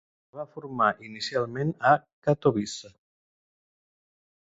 Es va formar inicialment a Katowice.